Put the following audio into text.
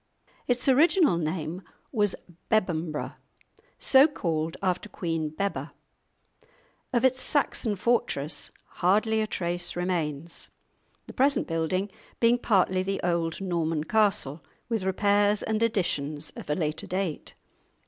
Its original name was Bebbanburgh, so called after Queen Bebba; of its Saxon fortress hardly a trace remains, the present building being partly the old Norman castle, with repairs and additions of a later date.